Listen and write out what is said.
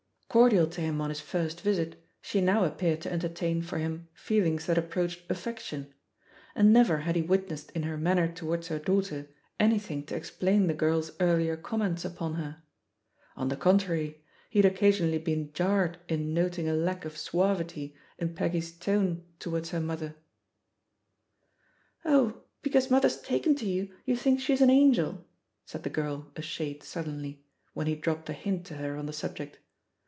Cordial to him on his first visit, she now appeared to entertain for him feelings that approached affection; and never had he witnessed in her manner towards her daughter anything to ex plain the girl's earlier comments upon her. On the contrary, he had occasionally been jarred in THE POSITION OP PEGGY HARPER 108 noting a lack of suavity in Peggy's tone towards her mother. \ "Oh, because mother's taken to you, you think she's an angel," said the girl a shade sullenly, when he dropped a hint to her on the subject.